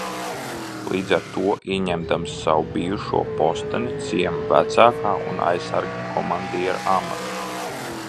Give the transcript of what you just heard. Līdz ar to ieņemdams savu bijušo posteni, ciema vecākā un aizsargu komandiera amatu.